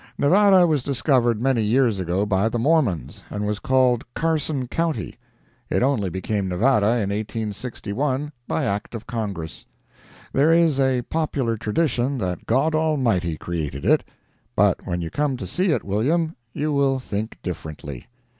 Nevada was discovered many years ago by the Mormons, and was called Carson county. It only became Nevada in 1861, by act of Congress. There is a popular tradition that God Almighty created it; but when you come to see it, William, you will think differently.